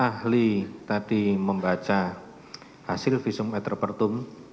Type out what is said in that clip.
apakah ahli tadi membaca hasil visum et reputum